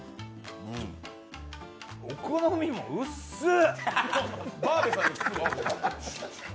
お好みも薄っ。